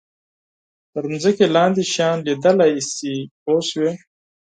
تر ځمکې لاندې شیان لیدلای شي پوه شوې!.